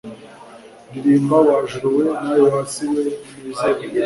Ririmba wa juru we nawe wa si we unezerwe